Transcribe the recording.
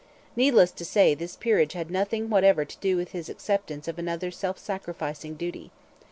Needless to say this peerage had nothing whatever to do with his acceptance of another self sacrificing duty.